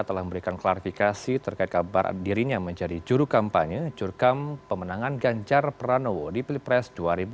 telah memberikan klarifikasi terkait kabar dirinya menjadi jurukampanye jurukamp pemenangan ganjar pranowo di pilpres dua ribu dua puluh empat